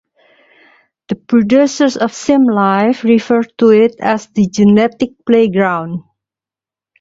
The producers of "SimLife" refer to it as "The Genetic Playground".